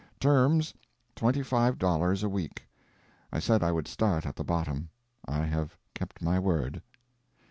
Terms, twenty five dollars a week. I said I would start at the bottom. I have kept my word."